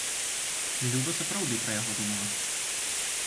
Люба сапраўды пра яго думала.